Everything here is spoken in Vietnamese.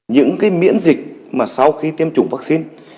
những cái miễn dịch mà sau khi tiêm chủng vaccine